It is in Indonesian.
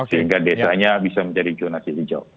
sehingga desanya bisa menjadi jonasi hijau